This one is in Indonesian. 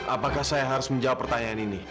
apakah saya harus menjawab pertanyaan ini